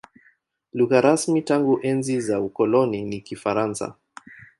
Lugha rasmi tangu enzi za ukoloni ni Kifaransa.